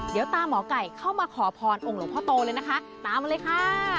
เดี๋ยวตามหมอไก่เข้ามาขอพรองค์หลวงพ่อโตเลยนะคะตามมาเลยค่ะ